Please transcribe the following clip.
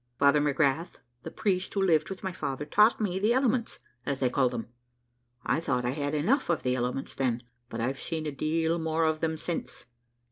Father McGrath, the priest, who lived with my father, taught me the elements, as they call them. I thought I had enough of the elements then, but I've seen a deal more of them since.